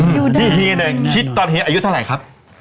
พี่เหี้ยคิดตอนเหี้ยอายุเท่าไหร่ครับ